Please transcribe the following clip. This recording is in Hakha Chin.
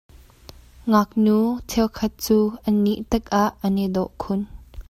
Ngaknu cheukhat cu an nih tikah an i dawh khun.